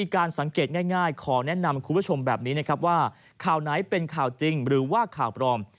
การสังเกตง่ายขอแนะนำคุณผู้ชมแบบนี้นะครับว่าข่าวไหนเป็นข่าวจริงหรือว่าข่าวปลอม